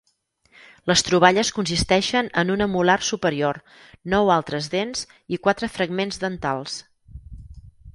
Les troballes consisteixen en una molar superior, nou altres dents i quatre fragments dentals.